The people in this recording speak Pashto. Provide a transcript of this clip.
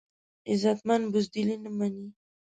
غیرتمند بزدلي نه مني